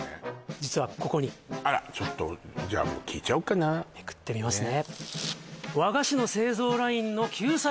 実はここにあらちょっとじゃあもう聞いちゃおうかなめくってみますね